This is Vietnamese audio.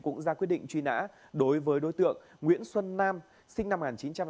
cũng ra quyết định truy nã đối với đối tượng nguyễn xuân nam sinh năm một nghìn chín trăm tám mươi